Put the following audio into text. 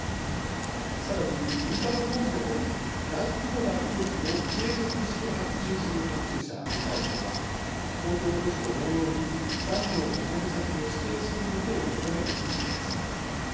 さらに民間の工事でも大規模な工事を継続して発注する発注者に対しては公共工事と同様に残土を運ぶ先を指定することを求めるとしています。